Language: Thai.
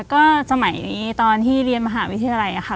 ก็สมัยนี้ตอนที่เรียนมหาวิทยาลัยค่ะ